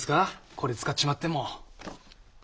これ使っちまっても。